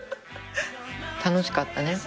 楽しかったね。